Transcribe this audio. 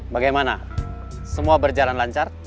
bagaimana semua berjalan lancar